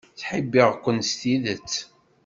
Ttḥibbiɣ-ken s tidet.